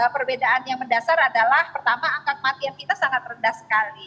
perbedaan yang mendasar adalah pertama angka kematian kita sangat rendah sekali